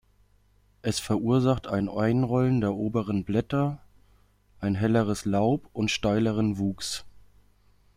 Es verursacht ein Einrollen der oberen Blätter, ein helleres Laub und steileren Wuchs.